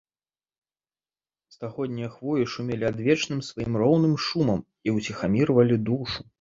Стагоднія хвоі шумелі адвечным сваім роўным шумам і ўціхамірвалі душу.